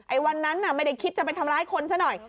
วันนั้นน่ะไม่ได้คิดจะไปทำร้ายคนซะหน่อย